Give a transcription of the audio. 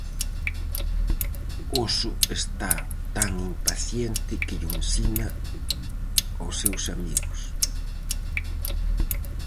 Oso está tan impaciente que llo ensina aos seus amigos.